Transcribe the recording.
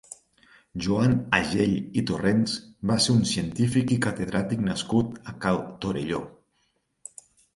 Joan Agell i Torrents va ser un científic i catedràtic nascut a Cal Torelló.